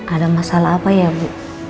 ada masalah apa ya bu